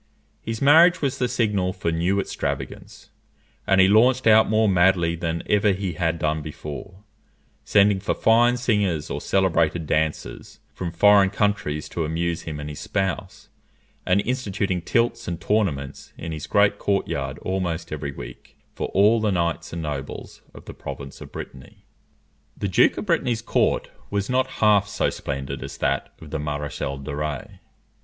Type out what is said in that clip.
His marriage was the signal for new extravagance, and he launched out more madly than ever he had done before; sending for fine singers or celebrated dancers from foreign countries to amuse him and his spouse; and instituting tilts and tournaments in his great court yard almost every week for all the knights and nobles of the province of Brittany. The Duke of Brittany's court was not half so splendid as that of the Maréchal de Rays.